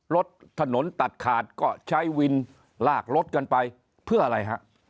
รถถนนตัดขาดก็ใช้วินลากรถกันไปเพื่ออะไรฮะ